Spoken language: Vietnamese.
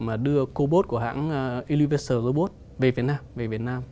mà đưa cô bốt của hãng universal robot về việt nam